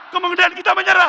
kemudian kita menyerah